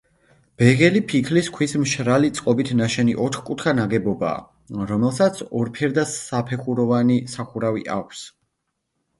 ბეღელი ფიქლის ქვის მშრალი წყობით ნაშენი ოთხკუთხა ნაგებობაა, რომელსაც ორფერდა საფეხუროვანი სახურავი აქვს.